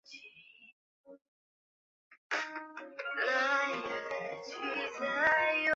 长管毛管蚜为毛管蚜科毛管蚜属下的一个种。